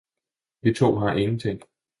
Vi to har ingenting!